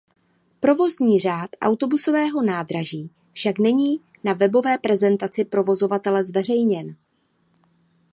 Provozní řád autobusového nádraží však není na webové prezentaci provozovatele zveřejněn.